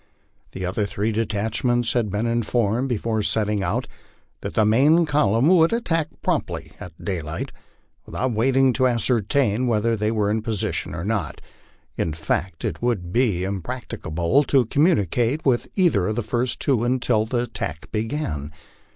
The other three detachments had ueen informed before setting out that the main column would attack promptly at daylight, without waiting to ascertain whether they were in position or not. In fact it would be impracticable to communicate with either of the first two until the attack began.